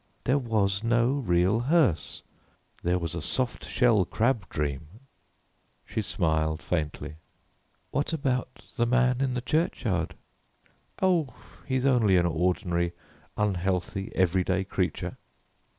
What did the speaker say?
There was no real hearse. There was a soft shell crab dream." She smiled faintly. "What about the man in the churchyard?" "Oh, he's only an ordinary unhealthy, everyday creature."